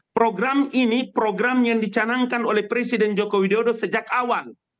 program ini program yang dicanangkan oleh presiden joko widodo sejak awal